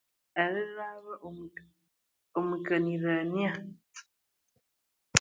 Erilaba omwikanirania